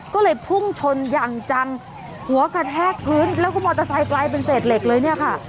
ก็เลยพุ่งชนอย่างจังหัวกระแทกพื้นแล้วก็มอเตอร์ไซค์กลายเป็นเศษเหล็กเลยเนี่ยค่ะ